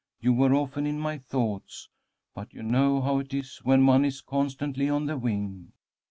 You were often in my thoughts, but you know how it is when one is constantly on the wing.